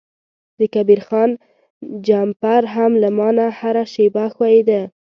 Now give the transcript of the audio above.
د کبیر خان جمپر هم له ما نه هره شیبه ښویده.